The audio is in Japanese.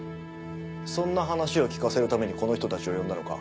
そんな話を聞かせるためにこの人たちを呼んだのか。